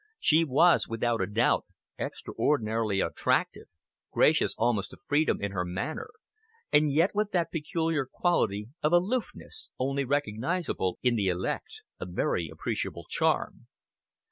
She was, without a doubt, extraordinarily attractive, gracious almost to freedom in her manner, and yet with that peculiar quality of aloofness only recognisable in the elect, a very appreciable charm.